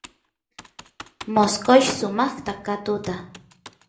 mosqoysh sumaqta ka katuta